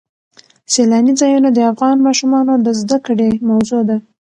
سیلانی ځایونه د افغان ماشومانو د زده کړې موضوع ده.